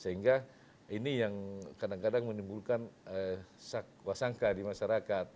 sehingga ini yang kadang kadang menimbulkan wasangka di masyarakat